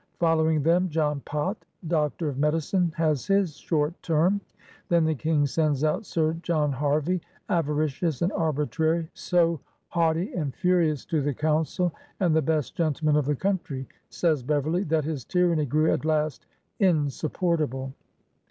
Following them John Pott» doctor of medicine^ has his short term. Then the King sends out Sir John Harvey> avaricious and arbitrary » ^^so haughty and furious to the C!ouncil and the best gentlemen of the country/' says Beverley, "^that his tyranny grew at last insup portable."